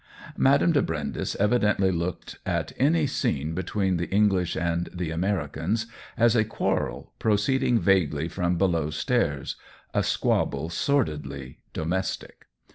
Madame de Brindes evidently looked at any scene be tween the English ^nd the Americans as a quarrel proceeding vaguely from below stairs — a squabble sordidly domestic.